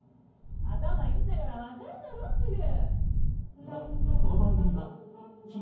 頭いいんだから分かるだろすぐ！